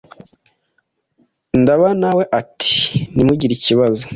Ndaba na we ati : “Ntimugire ikibazo